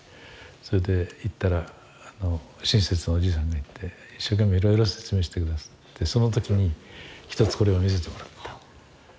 それで行ったら親切なおじいさんがいて一生懸命いろいろ説明して下さってその時に一つこれを見せてもらった。